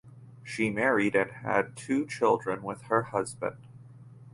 She married and had two children with her husband.